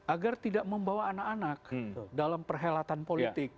agar tidak membawa anak anak dalam perhelatan politik